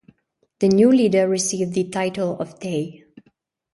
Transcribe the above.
The new leader received the title of dey.